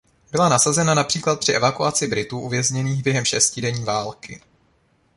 Byla nasazena například při evakuaci Britů uvězněných během šestidenní války.